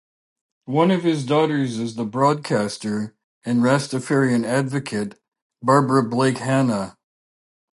One of his daughters is the broadcaster and Rastafarian advocate Barbara Blake Hannah.